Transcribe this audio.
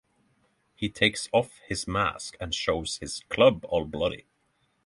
He takes off his mask and shows his club all bloody.